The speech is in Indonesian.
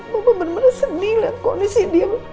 mama bener bener sedih liat kondisi dia